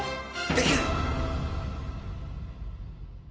できる！